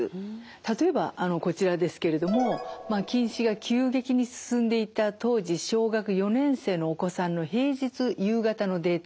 例えばこちらですけれども近視が急激に進んでいた当時小学４年生のお子さんの平日夕方のデータです。